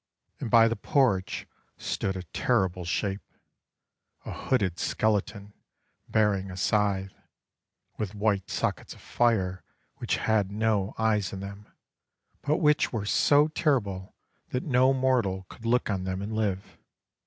And by the porch stood a terrible shape: a hooded skeleton bearing a scythe, with white sockets of fire which had no eyes in them but which were so terrible that no mortal could look on them and live.